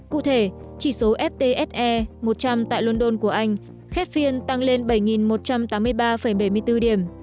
cụ thể chỉ số ftse một trăm linh tại london của anh khép phiên tăng lên bảy một trăm tám mươi ba bảy mươi bốn điểm